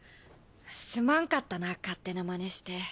すまんかったな勝手な真似して。